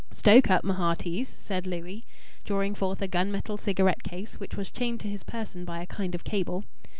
"Stoke up, my hearties!" said Louis, drawing forth a gun metal cigarette case, which was chained to his person by a kind of cable.